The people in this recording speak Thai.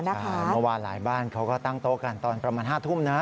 เมื่อวานหลายบ้านเขาก็ตั้งโต๊ะกันตอนประมาณ๕ทุ่มนะ